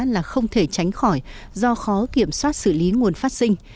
là không thể tránh khỏi do khó kiểm soát xử lý nguồn phát sinh